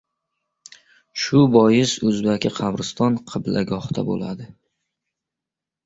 Shu bois, o‘zbaki qabriston qiblagohda bo‘ladi!